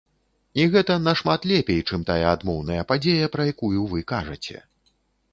І гэта нашмат лепей, чым тая адмоўная падзея, пра якую вы кажаце.